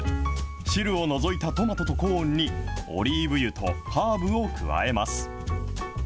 汁を除いたトマトとコーンに、オリーブ油とハーブを加えます。